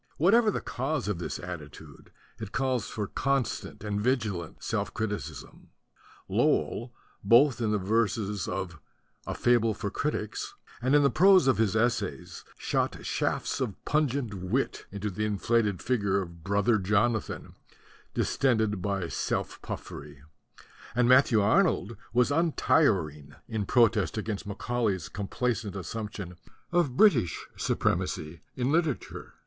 Whatever the cause of this attitude it calls for constant and vigilant self criticism. Lowell, both in the verse of a ' Fable for Critics' and in the prose of his essays, shot shafts of pungent wit into the inflated figure of Brother Jonathan dis tended by self puffery; and Matthew Arnold was untiring in protest against Macaulay's com placent assumption of British supremacy in literature.